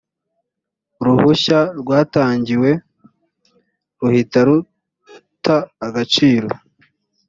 uruhushya rwatangiwe ruhita ruta agaciro